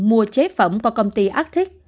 mua chế phẩm của công ty arctic